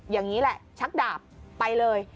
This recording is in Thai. อย่างนี้แหละชักดาบไปเลย